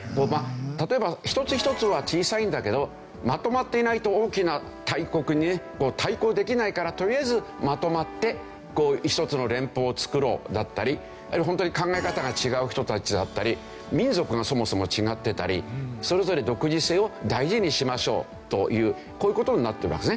例えば一つ一つは小さいんだけどまとまっていないと大きな大国に対抗できないからとりあえずまとまって一つの連邦をつくろうだったりホントに考え方が違う人たちだったり民族がそもそも違ってたりそれぞれ独自性を大事にしましょうというこういう事になってますね。